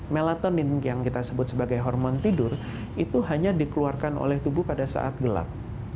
melatonin yang kita sebut sebagai hormon tidur itu hanya dikeluarkan oleh tubuh pada saat gelap